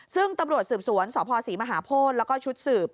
ซึ่งตำรวจสืบสวนสพศรีมหาโพธิแล้วก็ชุดสืบ